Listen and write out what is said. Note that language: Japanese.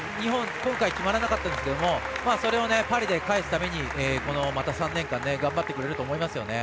今回、決まらなかったんですけどそれをパリで返すために３年間頑張ってくれると思いますよね。